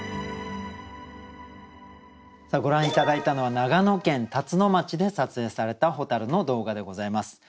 ご覧頂いたのは長野県辰野町で撮影された蛍の動画でございます。